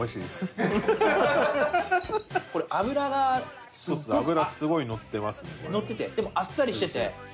でもあっさりしてて。